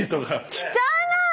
汚い！